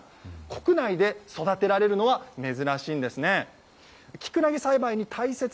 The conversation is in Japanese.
国内で育てられるのは珍しいんですね。